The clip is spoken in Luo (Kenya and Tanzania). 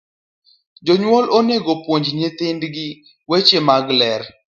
Jonyuol onego opuonj nyithind gi weche mag ler